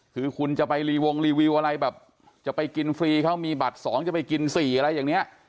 คือคุณจะไปรีวงรีวิวอะไรแบบจะไปกินฟรีเขามีบัตร๒จะไปกิน๔อะไรอย่างนี้